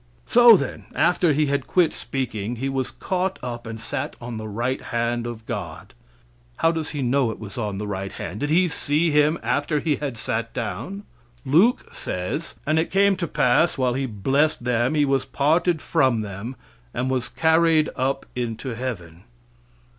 So, then, after He had quit speaking, He was caught up and sat on the right hand of God. How does he know He was on the right hand? Did he see Him after He had sat down? Luke says: "And it came to pass while He blessed them He was parted from them and was carried up into heaven."